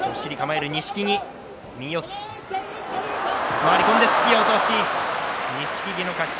回り込んで突き落とし錦木の勝ち。